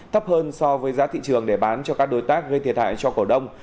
thấp hơn so với giá thị trường để bán cho các đối tác gây thiệt hại cho cổ đông